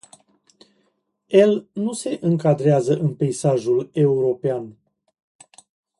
El nu se încadrează în peisajul european.